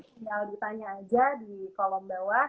tinggal ditanya aja di kolom bawah